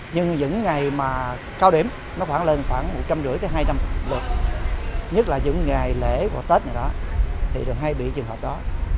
nhưng những ngày mà cao điểm nó khoảng lên khoảng một trăm năm mươi hai trăm linh lượt nhất là những ngày lễ của tết này đó thì hay bị trường hợp đó